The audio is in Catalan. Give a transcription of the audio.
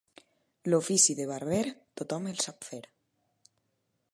L'ofici de barber, tothom el sap fer.